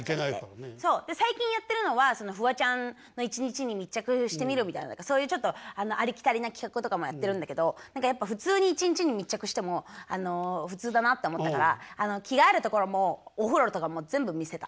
最近やってるのは「フワちゃんの１日に密着してみる」みたいなそういうちょっとありきたりな企画とかもやってるんだけどやっぱ普通に１日に密着しても普通だなって思ったから着替えるところもお風呂とかも全部見せた。